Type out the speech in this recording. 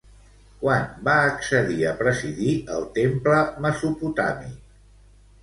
Quan va accedir a presidir el temple mesopotàmic?